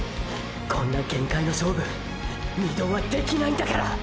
こんな限界の勝負二度はできないんだから！！